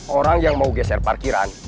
orang yang mau geser parkiran